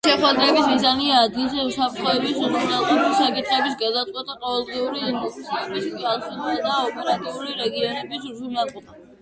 შეხვედრების მიზანია ადგილზე უსაფრთხოების უზრუნველყოფის საკითხების გადაწყვეტა, ყოველდღიური ინციდენტების განხილვა და ოპერატიული რეაგირების უზრუნველყოფა.